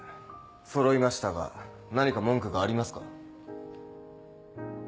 そろいましたが何か文句がありますか？